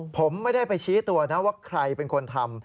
ผมไม่ได้ไปชี้ตัวนะว่าใครเป็นคนทำ